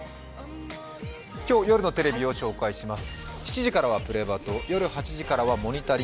今日夜のテレビを紹介します。